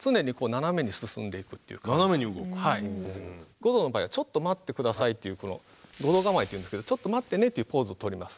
護道の場合は「ちょっと待って下さい」っていうこの護道構えっていうんですけど「ちょっと待ってね」っていうポーズをとります。